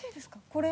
これ。